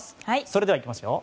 それでは行きますよ。